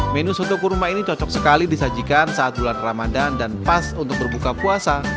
menu soto kurma ini cocok sekali disajikan saat bulan ramadan dan pas untuk berbuka puasa